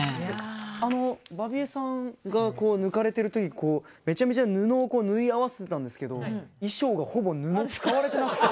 あのバビ江さんが抜かれてる時こうめちゃめちゃ布をこう縫い合わせてたんですけど衣装がほぼ布使われてなくて。